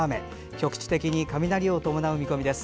局地的に雷を伴う見込みです。